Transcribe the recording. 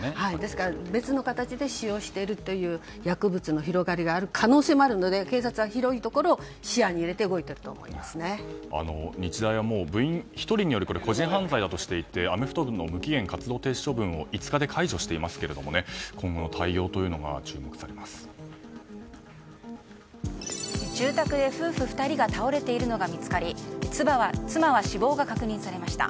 別の形で使用しているという薬物の広がりがある可能性があるので警察は広いところを視野に入れて日大は、部員１人による個人犯罪だとしていてアメフト部の無期限活動停止処分を５日で解除していますが住宅で夫婦２人が倒れているのが見つかり妻は死亡が確認されました。